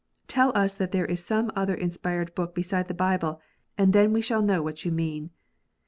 Tell us that there is some other inspired book beside the Bible, and then we shall know what you mean.